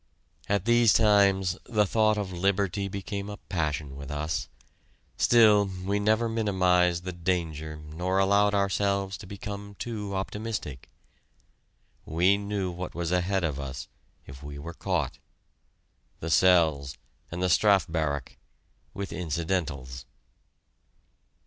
At these times the thought of liberty became a passion with us. Still, we never minimized the danger nor allowed ourselves to become too optimistic. We knew what was ahead of us if we were caught: the cells and the Strafe Barrack, with incidentals.